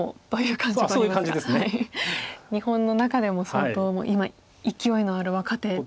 日本の中でも相当今勢いのある若手。